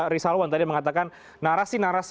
rizalwan tadi mengatakan narasi narasi